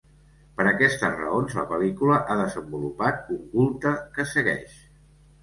Per aquestes raons la pel·lícula ha desenvolupat un culte que segueix.